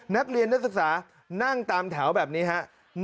นักเรียนนักศึกษานั่งตามแถวแบบนี้ครับ